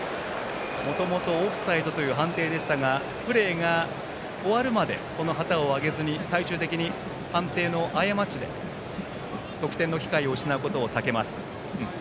もともとオフサイドという判定でしたがプレーが終わるまで旗を上げずに最終的に判定の過ちで得点機会を失うことを避けます。